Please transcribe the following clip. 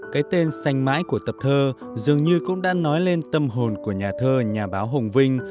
cái tên xanh mãi của tập thơ dường như cũng đã nói lên tâm hồn của nhà thơ nhà báo hồng vinh